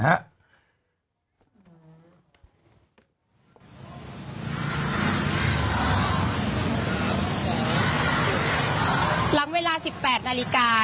ร้ำเวลา๑๘นาฬิกา